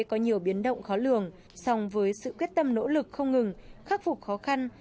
có nhiều biến động khó lường song với sự quyết tâm nỗ lực không ngừng khắc phục khó khăn